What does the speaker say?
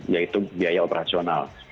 yaitu biaya operasional